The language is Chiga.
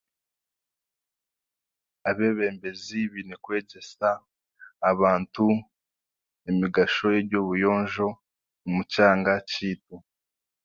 Abeebembezi baine kwegyesa abantu emigasho y'eby'obuyonjo omu kyanga kyaitu